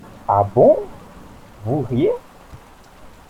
Ah, bon, vous riez.